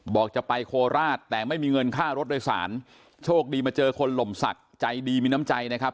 บอกจะไปโคราชแต่ไม่มีเงินค่ารถโดยสารโชคดีมาเจอคนหล่มศักดิ์ใจดีมีน้ำใจนะครับ